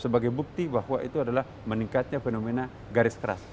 sebagai bukti bahwa itu adalah meningkatnya fenomena garis keras